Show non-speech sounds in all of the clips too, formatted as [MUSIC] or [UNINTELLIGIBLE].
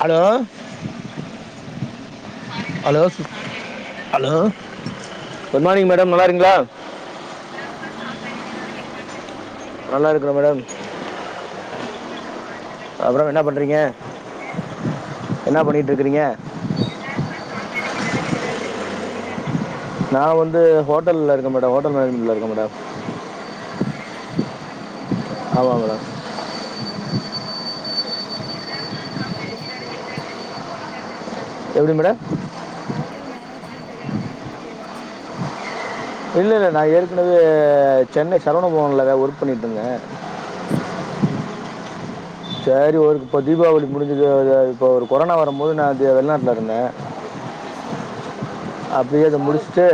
Hello hello hello hello hello good morning madam நல்லா கேக்குதுங்ளா இருக்கீங்களா நல்லா இருக்குதுங்க நீங் நல்லா இருக்கீங்ளா நல்லா இருக்குற மேடம் அ அப்புறம் எப்டி என்ன இருக்குறீங்க பண்ணுறீங்க அ என்ன பண்ணிட்ருக்குறீங்க நா ஹவுஸ் ஒய்ஃபா தா இருக்கேங்க நீங்க நா வந்து ஹோட்டல்ல இருக்க மேடோ ஹோட்டல் மேனேஜ்மெண்ட்ல இருக்க மேடம் ஹோட்டல் மேனேஜ்மெண்ட்ல இருக்கீங்ளா ஆமா மேடம் பரவால்லைங்களே எ எப்டி நீங்க டிஃப்ரென்ட்டா யோஸ்ச்சீங்க எப்டி மேடம் ஹோட்டல் மேனேஜ்மெண்ட் எடுக்கணுன் எப்டி யோஸ்ச்சிங்கன் கேட்ட இல்ல இல்ல நா ஏற்குனவே சென்னை சரவணபவன்ல தா ஒர்க் பண்ணிட்ருந்த செரிங்க செரி ஊருக்கு இப்போ தீபாவளிக் முடிஞ்சது அ இப்ப ஒரு கொரோனா வரும் போது நா தெ வெளிநாட்ல இருந்தே செரிங்க அப்டியே அத முடிச்ட்டு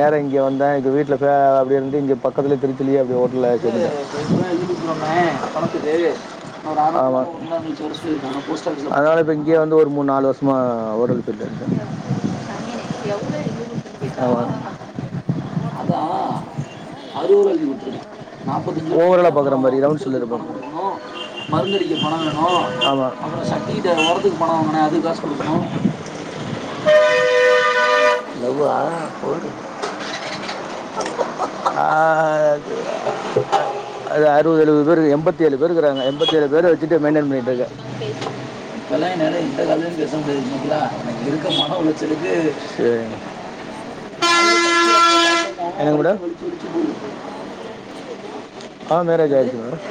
நேரா இங்க வந்த இங்க வீட்ல ப அப்டியேந்து இங்க பக்கத்துலயே திருச்சிலயே அப்டி ஓட் ஓஹோ அப்டிங்களா [UNINTELLIGIBLE] ஆமா சரி சரிங்க அதனால இப்ப இங்கே வந் து ஒரு மூணு நால் வருஷமா ஹோட்டல் ஃபீல்ட்ல இருக்க அப்டிங்ளா செரி செரிங்க ஹோட்டல் மேனேஜ்மெண்ட்டுனா எல்லா அறுபது ஓ ரூபாய்க்கு விட்டுருக்கேன் ஓவரால பாத்துக்கறதா நாற்பத்தஞ்சு ஓவராலாக பார்க்குற நீ மாதிரி ரவுண்ட் சொல்லியிருப்பேன் வேணும் அரௌன் மருந்தடிக்க பண வேனு ஆமா அப்றோ சட்டிக்கிட்டு வேனு ஒரத்துக்கு பணோ வாங்குன ஓகே ஓகே அதுக்காசு குடுக்கணு உங்களுக்கு மேரேஜ் ஆயிட்ச்சுங்களா ஆ அது அறுவது எலுவது பேரு எம்பத்தேழு பேருக்றாங்க எம்பத்தேழு பேர வச்சிட்டு மெயின்டன் பண்ணிட்டுக்க இப்பெல்லா என்னால அப்டிங்களா இன்ஸ்ட்டாகிராம்ல பேச சேரி முடிது சேரிங்க புரிதா இருக்க பணோ [UNINTELLIGIBLE] செர் இது ம் மேரேஜ் ஆயிடுச்சுங்களா என்னங்க மேடம் போகுது மேரேஜ் ஆயிட்ச்சிங்ளா ஆ மேரேஜ் ஆயிட்ச்சு மேடம்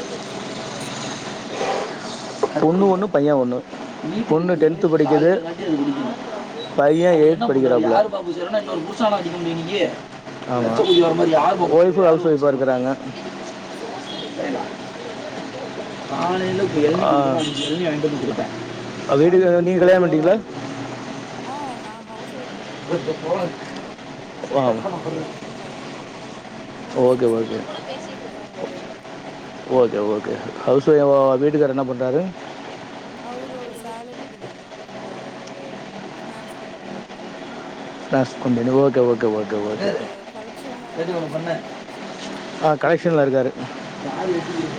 செரி செரிங்க பசங்க பொண்ணு ஒண்ணு பைய ஒண்ணு பொண்ணு டென்த்து படிக்குது ஆ பைய எயி்த் படிக்கிறாப்ல எயி்த்து படிக்கிறாங்களா [UNINTELLIGIBLE] ஆமா சேரி இன்னொரு சேரிங்க ஆமா வொய்ப்பு ஹவுஸ் வொய்பா இரு கிராங்க செரி செரிங்க காலையில புயல் ஆ [UNINTELLIGIBLE] அ வீட்டுக்கர நீங்க கல்யாண பண்ட்டீங்ளா ஆ நா ஹவுஸ் ஒய்பா தா இருக்கங்க ஹவுஸ் போன- ஒய்ப்பு ஆ பொண்ணு ஒண்ணு எனக்கு பைய ஒண்ணு தா பொண்ணு ஓகே சிக்ஸ்த்து ஓகே படிக்கிறா பைய வந்து ஃபோர்த்து படிக்கிறாங்க ஓகே ஓகே ஹவுஸ் ஒய்யமா வீட்டுக்கார் என்ன பண்றாரு அவரு சேலரிடு தாங்க ஆ ஒரு ஃபினான்ஸ் கம்பெனில ஒர்க் பண்ணிட்ருக்காரு ப்ளாஸ் company okay okay okay okay okay இது கலெக்ஷனர் கலெக்ஷன் கலெக்ஷன் ஆ ஸ்டீமில் இருக்காரு கரெக்சன்ல இருக்காரு ஆமாங்க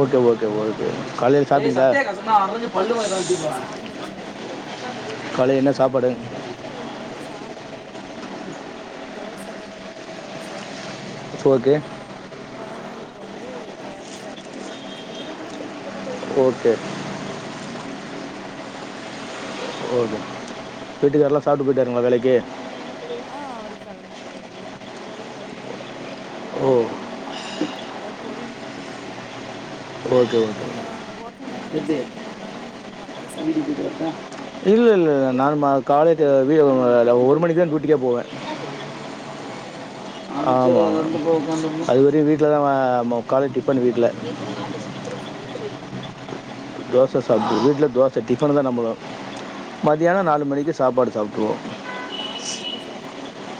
ஓகே ஓகே ஓகே காலையில சாப்ட்டிங்ளா ம் ஆ சாப்ட்டாச்சிங்க காலையில் என்ன சாப்பாடு சாப்ட்டு காலைல சாப் பாடு வந்து தோச தாங்க தோச ஓகே அப்புறோ கொழந்தைங்களுக் கு வந்து கேரட் சாப்பாடு செஞ்சி குடுத்துட்ட ஓகே ஓகே வீட்டுக்கார்லா சாப்ட்டு போய்ட்டாருங்ளா வேலைக்கு ஆ அவரு கெளம்பிட்டாருங்க மதியோ வருவாரு ஓ அது மட்டு கொஞ்சோ அதாவத் பொரியில் மட்டு பண்ணணு ஓகே ஓகே நீங்க அங்க ஹோட்டல் எப்படி மேனேஜ்மெண்ட்ங்கிறனால நீங்க உங்களுக் அங்கேயே சாப்பாடு குடுத்துருவாங்ளா இல்ல இல்ல நா மா காலையிட்ட வீடு ஒன்னு வராது ஒரு மணிக்கு தா டூட்டிக்கே போவ அப்டிங் ஆமா அது வர வீட்லதா ஆ ம காலை டிப்பன் வீட்ல ஆ சரி சரிங்க தோச சாப்ட்டு வீட்ல தோச டிபனு தா நம்போ மதியானோ ஆ நாலு மணிக்கு சாப்பாடு சாப்ட்ருவோ ளா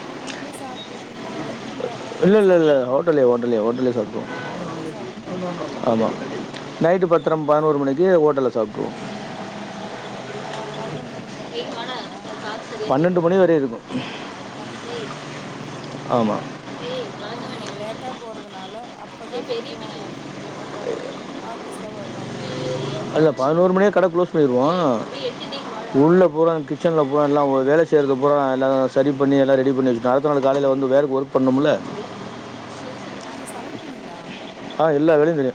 எங்க வீட்லேயே சாப்ட்ருக்கிங்ளா வந் து இல்ல இல்லை ஹோட்டல்ல இல்லை இல்லை சாப்ட்ருவாங்ளா ஹோட்டலே ஹோட்டலே ஹோட்டலே சாப்பிட்ருவோம் ஹோட்டலே சாப்ட்டுக்குவீங்க ஆ ஆமாம் நைட்டு பத்திர பதினோரு மணிக்கு ஹோட்டல்ல சாப்ட்டுருவோ ஆ அவ அவ பதனொன் [INAUDIBLE] பன்னண்டு மணி வரையு இருக்கு பன்னெண்டு மணி வரைக் இருக்கு ஓகே ஆமாம் ஓகே ஓ நீங்க லேட்டா போறதுனால அப்ப தா கொஞ்சோ உங்க பார்ட்டிஸ்லா வருவாங்க அப்டினு அ இல்லை பதினோரு மணியே கடை க்ளோஸ் பன்னிருவோ உள்ள போறவங் கி ச்சன்ல போனாங்ல அவுங்க வேல செய்யறதுபூரா எல்லா சரி பண்ணி எல்லா ரெடி பண்ணி வெச் அடுத்த நாள் காலையில வந்து வேலைக்கு ஒர்க் பண்னுமுல்ல அ நீங்க சமைப்பீங்ளா ஆ எல்லா வேலையு தெரியு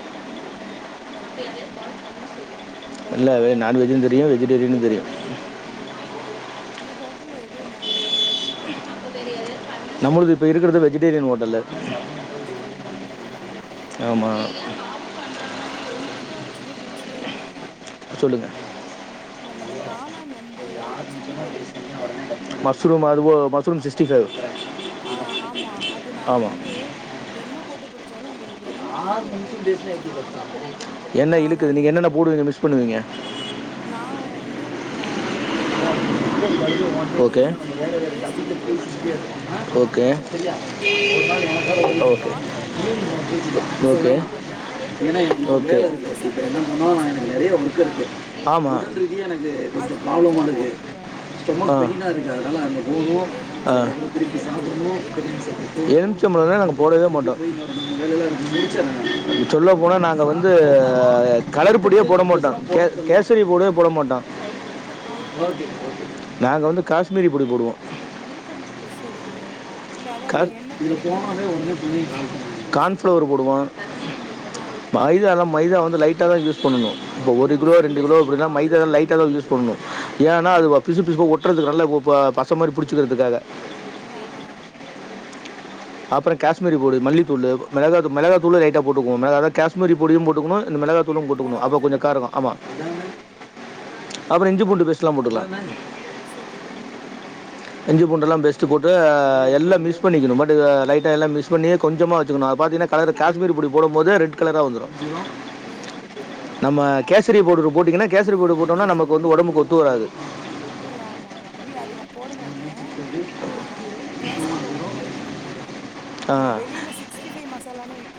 அப்படியா பரவால்லைங்களே இல்ல ஆ வெ நான்வெஜ்ஜூ தெரியு வெஜிடேரியனு தெரியு அ உங்க ஹோட்டல்ல எது நல்லா போகோ நம்மளது இப்ப இருக்குறது வெஜிடேரியன் ஹோட்டல்லு வெஜிடேரியன் ஹோட்டல்லா [INAUDIBLE] உங்ககிட்ட ஒரு சின்ன டிப்ஸு கேக்லாமா சொல்லுங்க நம்ம இந்த காளான் வந்து சில்லி பொறிக்கிறோமுல்ல ஸ்ரூம் அது ஒ மஸ்ரூம் சிக்ஸ்டிஃபைவ் அ ஆமா அது நா ஆமாம் வந்து என்ன போட்டு பிடிச்சாலு அந்த எண்ணெ வந்து எல்லா உறிஞ்சிருது என்ன இழுக்குது காளானு நீங்க என்னென்ன போடுவீங்க மிக்ஸ் பண்ணுவீங்க நா வந்து மா மெளகா ஓகே பேஸ்ட்டு கொஞ்சோ போடுவே ஓகே அப்றோ உப்பு கொஞ்சோ போட்டு அப்புறோ ஓகே கான்ஃப்ளார் மாவு அரிசி மாவு போடுவே இல்ல ஓகே அப்டின்னா இந்த ச ரெடிமேடு மசாலா இருக்கு தெரியுங்களா ஆமா அது கொஞ்சோ போட்ருவேன் போட்டுட்டு அ அ எலுமிச்சம்பழம் அதா எலுமிச்சம்பழம் ஊத்தி அப்டியே பொறிச்சிருவே எ நானு எலும்ச்ச்ம்பழோலா நாங்க போடவே மாட்டோ அப்டிங்களா ஆ சொல்ல போன நாங்க வந்து அ கலரு பொடியே போட மாட்டோ கே கேசரி பவ்டே ஆ போட மாட்டோ ஆ நாங்க வந்து காஷ்மீரி பொடி போடுவோ செரிங்க இல்ல அதா அந்த கான் எண்ணெ குடிக்காம இருக்கிறதுக்கு கொஞ்சோ சொல்லுங்களே டிப்ஸு கான்ஃப்ளவரு போடுவோ ஆ மைதால்லா மைதா வந்து லைட்டா தா யூஸ் பண்ணணு இப்போ ஒரு கிலோ ரெண்டு செரிங்க கிலோ அப்டினா மைதாலா லைட்டா தா யூஸ் பண்ணோ ஏன்னா ஆ அது ஒ பிசு பிசு ஒட்டுறதுக்கு நல்ல ஒ பல பச மாரி புடிச்சுக்கிறதுக்காக அ அ அப்புற காஷ்மீரி பொடி மல்லித்தூளு மெளகாத் மெளகாத்தூளு லைட்டா போட்டுக்வோ மெள அதா காஷ்மீரி பொடியு போட்டுக்குனு இந்த மெளக த்தூளு போட்டுக்குனு அப்போ மெளகாத்தூளு கொஞ்சோ காரக்கோ நம் போட்டுக்கணு ஆமா ம் அப்புற இஞ்சி பூண்டு பேஸ்ட்லா போட்டுக்லா செரிங்க இஞ்சு பூண்டெல்லா பேஸ்ட்டு போட்டு எல்லா மிஸ் பண்ணிக்கிணு [UNINTELLIGIBLE] லைட்டா எல்லா மிஸ் பண்ணி கொஞ்சமா வெச்சுக்கினு அத பாத்தினா கலரு காஷ்மீரி பொடி போடும் போது ரெட் கலரா வந்துரு ம் நம்ம கேசரி பவுடரு போட்டீங்கன்னா கேசரி பவுடர் போட்டோம்னா நமக்கு வந்து ஒடம்புக்கு ஒத்து வராது இல்ல ஆமா ஆமா இல்ல அது நா போட மாட்டே அ கேசரி பவுட்ரு போட மாட் ட நானு ஆ நம்ம வெளியில சிக்ஸ்டி ஃபைவ் மசாலானே விக்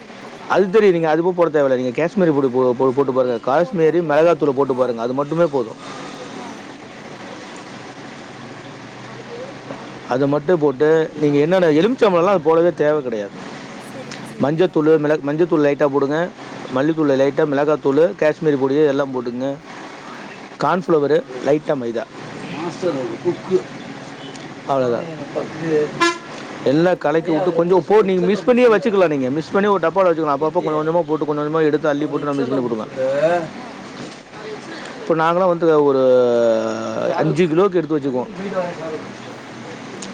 அது தெரியு நீங்க அது போ போட தேவல்ல நீங்க காஷ்மீரி பொடி போ போ போட்டு பாருங்க போட்டா காஷ்மீரி போதுங்களா மெளகாதூளு போட்டு ஆ பாருங்க அது மட்டுமே போது ஆ ஓகே ஓகேங்க அது மட்டு போட்டு நீங்க என்னென்ன ஆ எலும்ச்சம்பழலா அத் போடவே தேவ கெடயாது சரிங்க சரிங்க நான் மஞ்சத்தூளு போடல மிளக் ஆ மஞ்சத்தூள் லைட்டா போடுங்க மல்லித்தூள் ஆ லைட்டா மெளகாத்தூளு கேஷ்மீரி பொடியு எல்லாம் போட்டுக்குங்க ஆ கான்ஃப்ளவரு லைட்டா மைதா ம் அவ்ளதா எல்லா அது கலக்கிவுட்டு கொஞ்ச போட் நீங்க மிஸ் பண்ணியே வச்சுக்கலா நீங்க மிஸ் பண்ணி ஒரு டப்பால வச்சுக்கலா அப்பப்ப கொஞ்ச கொஞ்சமா போட்டு கொஞ்ச கொஞ்சமா எடுத்து அள்ளி போட்டு நா மிஸ் பண்ணி போட்டுக்குவ ஆ இப்ப நாங்களா வந்து ஒரு அஞ்சு கிலோவுக்கு எடுத்து வச்சுக்குவோ ஆ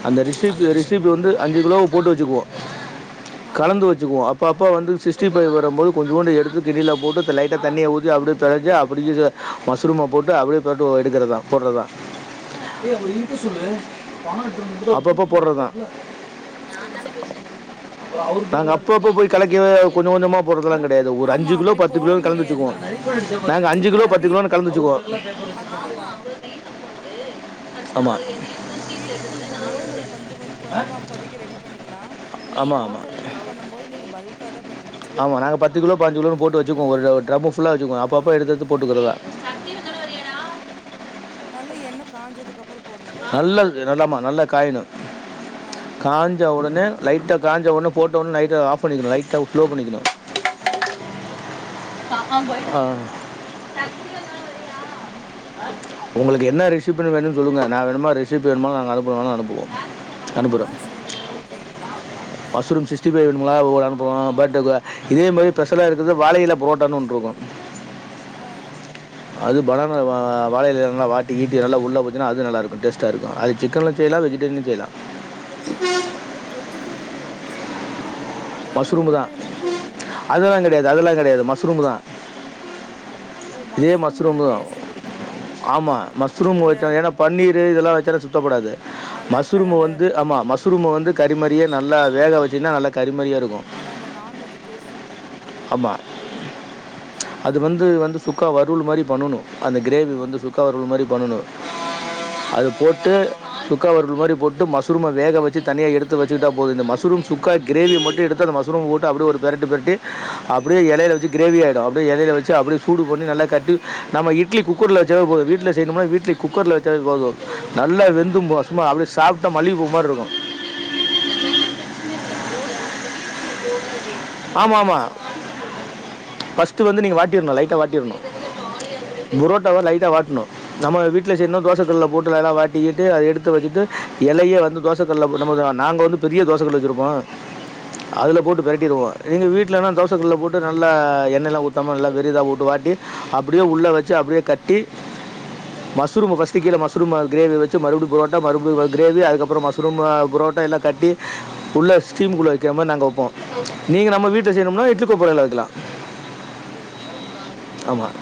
அந்த ரிசிப் ரிசிபி வந்து அஞ்சு கிலோவுக்கு போட்டு வச்சுக்குவோ ஆ கலந்து வச்சுக்குவோ அப் பப்ப வந்து சிஸ்டிஃபை வரம்போது கொஞ்சோண்டு எடுத்து கிண்ணில போட்டு த லைட்டா தண்ணிய ஊத்தி அப்டியே பெனஞ்சு அப்டியே மஷ்ரூம போட்டு அப்டியே போட்டு அ எடுக்கறதா போட்றதா ஆ ஆ அப்பப்ப போட்றதா சரி சரிங்க நாங்க அப்ப அப்ப போய் கலக்கி கொஞ்ச கொஞ்சமா போட்றதுலா கெடையாது ஒரு ஆமா அஞ்சு கிலோ அப்படி பத்து போட கிலோன் முடியாது கலந்துவச்சிக்குவோ இல்லைங்க நாங்க அஞ்சு கிலோ பத்து கிலோனு கலந்துவச்சிக்குவோ அதா அதா ஆமா வீட்டுக்குன் போடம் போது நம்ம கொஞ்ச கொஞ் கொஞ்சமா அப்போதைக்கு ரெடி பண்ணிக்லா நீங்க ஹோட்டலுக்குன் பண்ணம் ஆமா நாங்க பத்து கிலோ பாஞ்சு கிலோன்னு போட்டு வச்சுக்குவோ ஒரு ஒரு ட்ரம்மு ஃபுல்ல வச்சுக்குவோ அப்பப்ப எடுத்து எடுத்து போட்டுக்குறதா அ ஆ நல்லா எண்ணெ காஞ்சதுக்கு அப் நல்லா இருக்கு நல் ஆமா நல்லா காயணு ஆ காஞ்ச ஒடனே லைட்டா காஞ்ச ஒட்னே போட்ட ஒட்னே லைட்டா ஆஃப் பண்ணிக்கணு லைட்டா ஸ்லோ பண்ணிக்கணு ஆ ஆ ஒங்களுக்கு என்ன ரெசிப்பினு வேணுன் சொல்லுங்க நா வேணுமா ரெசிப்பு வேணுமா நாங்க அனுப்புனாலு அனுப்புவோ அனுப்புறோ ஆ செரி ஓகேங்க மஷுரூம் சிஸ்டிஃபைவ் வேணுங்ளா ஒரு அம் வோ பட் டுக இதே மாரி பெஷலா இருக்குறது வாழயில ப்ரோட்டான்னு ஒன்னு இருக்கு ஆ அது பனனாவா வாழையிலைய நல்லா வாட்டி கீட்டி நல்லா உள்ள போச்சுனா அது நல்காருக்கு டேஸ்டா இருக்கு அது சிக்கன்ல செய்யலா வெஜ் ஜிடேரியன்லயு செய்லா ஆ வெஜிடேரியன்ல எப்டி செய்வீங்க அதுக்கு அந்த மஷ்ரூமு தா முட்டையெல்லா போடணு தான அதலாங் கெடையாது அதலாங் கெடையாது மஷ்ரூமு தா ஆ ஓ மஷ்ரூம்ல அந்த தான் டேஸ்ட்டு குடுத்துரு அந்த து இதெல்லா வச்சனா சுத்தப்படாது நல்லா இருக்காது மஸ்ரூம அந்த வந்து ஆமா மஸ் மஷ்ரூம வந்து கரிமாரியே நல்லா வேக வச்சீன்னா நல்லா கரிமாரியே அதா அந்த நான்வெஜ் டேஸ்ட்டு அப்டியே குடுக் ஆமா அது வந்து செரிங்க வந்து சுக்கா வறுவல் மாரி பண்ணனு அந்த ஆ கிரேவி வந்து சுக்கா வறுவல் மாரி பண்ணனு ஆ அது போட் டு சுக்கா வறுவல் மாரி போட்டு மஷ்ரூம வேக வச்சு தனியா எடுத்து வச்சுக்கிட்டா போது இந்த மஷ்ரூம் சுக்கா கிரேவி மட்டு எடுத்து அந்த மஷ்ரூம போட்டு அப்டியே ஒரு பெரட்டு பெரட்டி அப்டியே எலையில வச்சு கிரேவி ஆயிடு அப்டியே எலையில வச்சு அப்டியே சூடு பண்ணி நல்லா கட்டி நம்ம இட்லி குக்கர்ல வச்சாவே போது வீட்ல செய்யணுமா வீட்லயு குக்கர்ல வச்சாலே போது நல்லா வெந்தும்போ சும்மா அப்டியே சாப்டா மல்லிகப்பூ மார்ருக்கு நல்லா இருக்கு அந்த புரோட்டா நல்லா ஊரி ஆமா ஆமா பண்ணும்போது ஃபஸ்ட்டு வந்து நீங்க வாட்டிரனு லைட்டா வாட் டிற்ணு லைட்டா வாட்டிர்ணு பொரோட்டாவ லைட்டா வாட்ணு நம்ம வீட்ல ஆ செய்யணுனா தோசக்கல்ல போட்டு வேனா வாட் ட்டிட்டு அத எடுத்து வச்சுட்டு எலைய வந்து தோசைகள்ல பண்ணும் போதுலா நாங்க வந்து பெரிய தோசகல்லு வச்சிருப்போ ஆ அதுல போட்டு பெரட்டிருவோ நீங்க வீட்லனா தோசக்கல்ல போட்டு நல்லா எண்ணெல்லா ஊத்தாம நல்லா பெரியதா போட்டு வாட்டி அப்டியே ம் உள்ள வச்சு அப்டியே கட்டி மஷ்ரூம ஃபஸ்ட்டு கீழ மஷ்ரூம கிரேவி வச் சு மறுபடியு பொரோட்டா மறுபடியு வ கிரேவி அதுக்கப்றமா மஷ்ரூமு பொரோட்டா எல்லாக் கட்டி உள்ள ஸ்டீமுக்குள்ள வெக்காம நாங் ட்ருப்போ நீங்க நம்ம வீட்ல செய்னும்னா இட்லி கொப்பரைல வெக்கிலா இட்லி குக்கர்ல ஆ ஆ ஆமாம்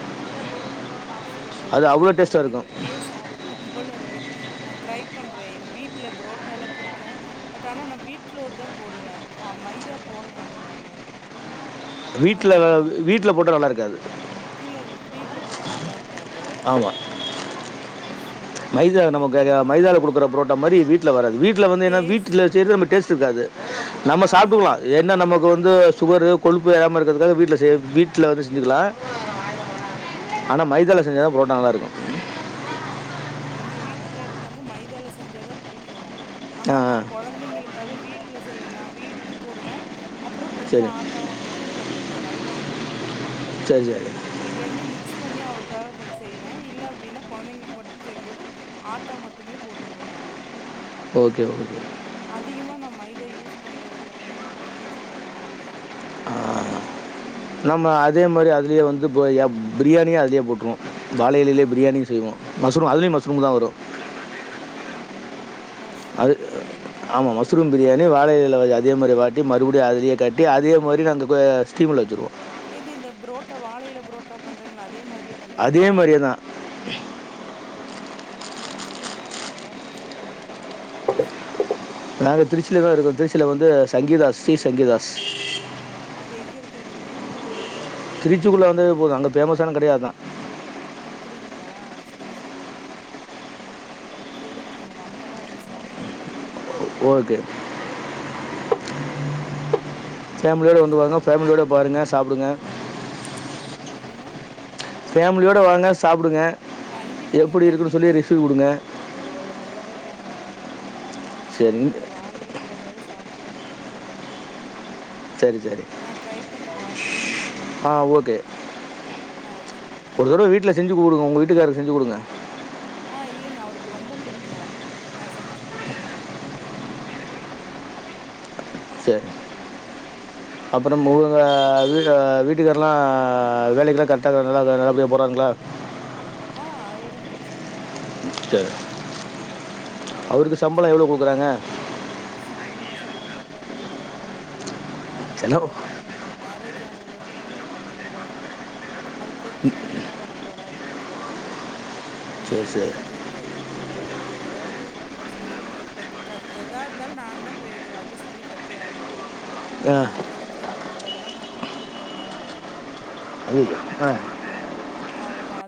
செரிங்க நா அது அவ்வளோ கண்டிப்பா டேஸ்ட்டாக எனக்கு இருக்கும் இப்பியே சாப்புன்னு போல இருக்குத் ந ட்ரை பண்றே எங்க வீட்ல புரோட்டா லா புடிக்கு பட் ஆனா நா வீட் ஃப்ளோர் தா போடுவே ஆ மை இதா போட மாட்டே நானு ஆ வீட்ல வீட்ல போட்டா நல்லா இருக்காது இல்ல வீட்ல போட்டா நல்லா இருக்காது ஆமாம் ஆ சரி ஓகே மைதா நான் ட்ரை நமக்கு அது பண்ணி பா மைதால குடுக்கற புரோட்டா மாரி வீட்ல வராது வீட் ட்ல வந்து என்ன டேஸ்ட் வீட்ல செய்றது ரெம்ப டேஸ்ட்ருக்காது நம்ம சாப்ட்டுக்லா ஆமாங்க. என்ன நமக்கு வந்து சுகரு கொழுப்பு ஏறாம இருக்கிறதுக்காக வீட்ல செய்றத் வீட்ல வந்து செஞ்சுக்லா உம் ஆனா மைதலா செஞ்சா தா ப்ரோட்டா நல்லா இருக்கு ஆமாங் எங்க வீட்டுக்காருக்கு வந்து மைதல செஞ்ச தா புடிக்கு ஆ ஆனா நா ஆ. கொழந்தைங்களுக்காக வீட்ல செய்வேனா வீட்டுக் ஒன்னு அப்றோ கொஞ்ச சரி ஆட்டாவு இது போட்டுக்வே மைதாவு போட்டுக்குவே சரி சரி ரெண்டையு மிக்ஸ் பண்ணி அவருக்காக கொஞ்ச செய்வே இல்ல அப்டினா கொழந்தைங்களுக்கு மட்டு செய்யும்போது ஆட்டா மட்டுமே போட்டுக்வோ நானு ஓகே ஓகே அதிகமா நம் மைத் த யூஸ் பண்றதுல வச்சுக்கோங்களே நம்ம அதே மாரி அதுலயே வந்து பிரியா பிரியாணியு அதுலயே போட்ருவோ ஆ வாழயிலேயே பிரியாணியு செய்வோ மஸ்ரூ அதுலயு மஷ்ரூம் தா வரு ஆ மஷ்ரூம் அது பிரியாணிங்களா ஆமா மஸ்ரூம் பிரியா து வாழ இலைல அதே மாரி வாட்டி மறுபடியு அதலியே காட்டி அதே மாரி நாங்க கோ ஸ்டீமில வச்சுர்வோ எது இந்த புரோட்டா வாழயில புரோட்டா பண்றீங்ளா அதே மாரி ட்லேயே அதே பண்ணுவீங்ளா மாதிரியே தான் பரவாலைங் திருச்சில வேனா உங்க ஹோட்டல் சொல்லுங்க நாங்க வந்தங்னா வந்து சாப்புறோ சில வந்து சங்கீதா சீ சங்கிதா ஆ அது எங்க இருக்குதுங்க திருச்சிக்குள்ள வந்தாவே போது அங்க ஃபேமஸான கடையே அதா அப்டிங்ளா செரி செரிங்க செரிங்க நாங்க வந்தோனா வந்து சாப்புறங்கங்க ஓகே ஃபேமிலியோட வந்து வாங்க ஃபேமிலியோட பாருங்க சாப்டுங்க என்னங்க ஃபேமிலியோட வாங்க சாப்டுங்க கண்டிப்பாங்க எப்டி இருக்குனு சொல்லி கண்டிப்பாங்க ரிப்யூ குடுங்க கண்டிப்பாங்க நீங்க சரி சொல்ற இந்த வாழயெல புரோட்டாவே சாப் புனு போல இருக்கே செரி செரி நா ட்ரை பண்ணி பாக்குறேங்க ஆ ஓகே ஆ செரிங்க ஒரு தடவை வீட்டில் செஞ்சு குடுங்க உங்க வீட்டுக்காரருக் செஞ்சு குடுங்க ஆ இல்லைங்க அவருக் ரொம்ப புடிக்கு ஆ செஞ்சி குடுக்குறே நானு செரி அப்பறம் ஊங்க வீட்டு வீட்டுக்கார்லா வேலைக்லா கர்ட்டா ந நல்லபடியா போறாருங்ளா அ ஆ அது ஒண்ணு ப்ரச் சன இல்லைங்க அவுங்க எல்லா சரி போய்ட்டு தா இருக்காங்க எனக்கு அதெல்லா ஒன்னு அவருக்கு பிரச்சன சம்பளம் இல்ல எவ்வளோ கொடுக்குறாங்க சம்பளோ சொல்ல மாட்டாருங்க கேட்டாலுமே நானு இன்ன என்ன வரைக்கு மேரேஜ் ஆனதுலருந்து இப் இன்ன வரக்கு கேட்டு பாத்துட்ட அத தெரிஞ்சு நீ என்ன பண்ண போற அப்டின் கேப்பாரு நீ சரி சரி இப்ப தெரிஞ்சு என்ன பண்ண போற நீ ஏதாவ்து செய்ற மார் பத் காசு எதா இருந்தாலு நாந்தா இப்ப எது அஜஸ் பண்ணி கட்டி ஆவுணு ஆ அது நீ தெரிஞ்சு என்ன பண்ற உனகு நா வீட்டு குடுக்குறனா அவுளோ தா அப்டின் அய்யயோ ஆ அவ்வளோதான்